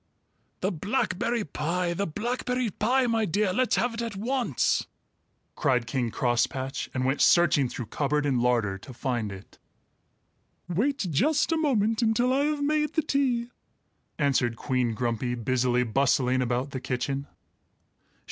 "The blackberry pie! The blackberry pie! My dear, let's have it at once!" cried King Crosspatch, and went searching through cupboard and larder to find it. "Wait just a moment until I have made the tea," answered Queen Grumpy, busily bustling about the kitchen.